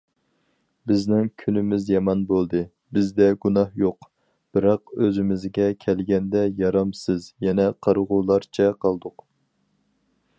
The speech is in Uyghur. بىزنىڭ كۈنىمىز يامان بولدى، بىزدە گۇناھ يوق، بىراق ئۆزىمىزگە كەلگەندە يارامسىز يەنە قارىغۇلارچە قالدۇق!